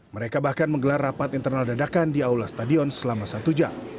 mereka bahkan menggelar rapat internal dadakan di aula stadion selama satu jam